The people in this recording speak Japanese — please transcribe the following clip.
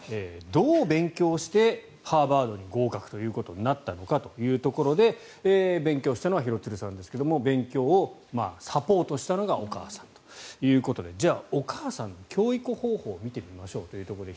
どう勉強してハーバードに合格ということになったのかというところで勉強したのは廣津留さんですが勉強をサポートしたのがお母さんということでじゃあ、お母さんの教育方法を見ていきましょうということで